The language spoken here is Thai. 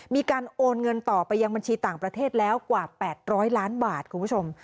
มีการโอนเงินต่อไปยังบัญชีต่างประเทศแล้วกว่า๘๐๐ล้านบาทคุณผู้ชม